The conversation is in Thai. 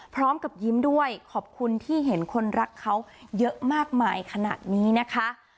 พร้อมกับยิ้มด้วยขอบคุณที่เห็นคนรักเขาเยอะมากมายขนาดนี้นะคะ